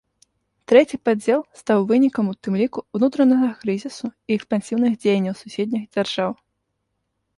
Трэці падзел стаў вынікам у тым ліку ўнутранага крызісу і экспансіўных дзеянняў суседніх дзяржаў.